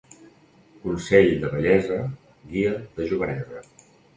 Consell de vellesa, guia de jovenesa.